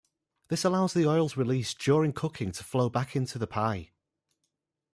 This allows the oils released during cooking to flow back into the pie.